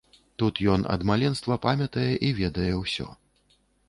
Тут ён ад маленства памятае і ведае ўсё.